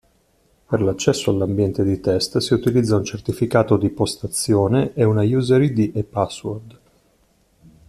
Per l'accesso all'ambiente di test si utilizza un certificato di postazione e una user-id e password.